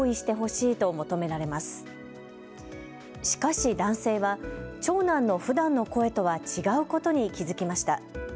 しかし男性は長男のふだんの声とは違うことに気付きました。